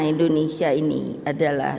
indonesia ini adalah